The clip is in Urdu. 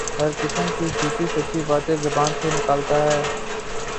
ہر قسم کی جھوٹی سچی باتیں زبان سے نکالتا ہے